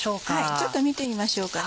ちょっと見てみましょうかね。